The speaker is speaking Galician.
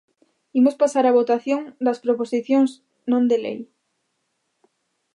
Imos pasar á votación das proposicións non de lei.